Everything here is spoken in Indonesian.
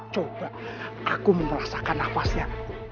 coba aku memelasakan nafasnya